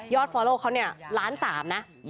ฟอลโลเขาเนี่ยล้าน๓นะ